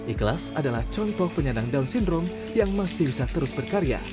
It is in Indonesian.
ikhlas adalah contoh penyandang down syndrome yang masih bisa terus berkarya